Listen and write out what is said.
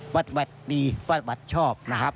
บัตรบัตรดีบัตรบัตรชอบ